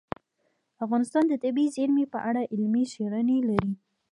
افغانستان د طبیعي زیرمې په اړه علمي څېړنې لري.